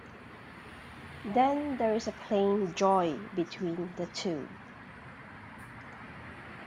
Then there is a plain Joy between the two.